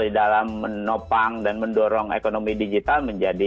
di dalam menopang dan mendorong ekonomi digital menjadi